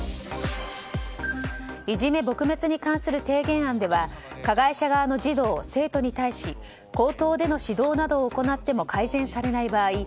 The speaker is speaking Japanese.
いじめ撲滅に関する提言案では加害者側の児童・生徒に対し口頭での指導などを行っても改善されない場合